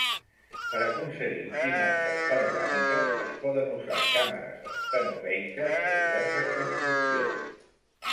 Per aconseguir imatges panoràmiques es poden usar càmeres estenopeiques de diverses construccions.